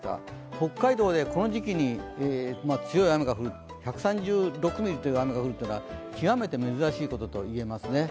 北海道でこの時期に強い雨が降る、１３６ミリの雨が降るのは極めて珍しいことといえますね。